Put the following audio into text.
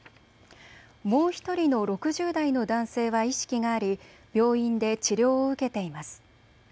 もう１人の６０代の男性は意識があり病院で治療を受けています。